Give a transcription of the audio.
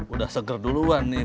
udah seger duluan nih